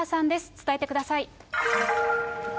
伝えてください。